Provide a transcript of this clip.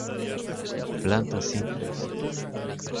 Plantas simples.